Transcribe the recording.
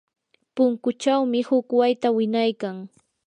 punkuchawmi huk wayta winaykan.